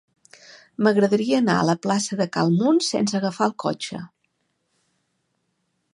M'agradaria anar a la plaça de Cal Muns sense agafar el cotxe.